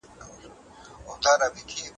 تاسي په خپلو خبرو کي د سوچه پښتو ټکي کاروئ